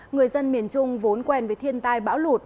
người dân miền trung vốn quen với thiên tai bão lụt